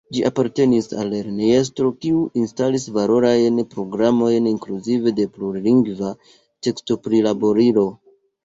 Ĝi apartenis al lernejestro, kiu instalis valorajn programojn, inkluzive de plurlingva tekstoprilaborilo.